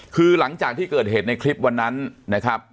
คือหลังจากที่เกิดเหตุในคลิปวันนั้นนะครับ